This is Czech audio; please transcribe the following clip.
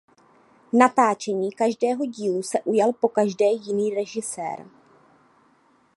Natáčení každého dílu se ujal pokaždé jiný režisér.